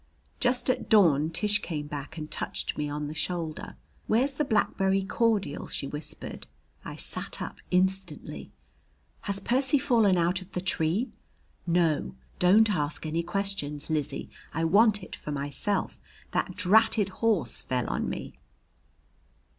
Just at dawn Tish came back and touched me on the shoulder. "Where's the blackberry cordial?" she whispered I sat up instantly. "Has Percy fallen out of the tree?" "No. Don't ask any questions, Lizzie. I want it for myself. That dratted horse fell on me."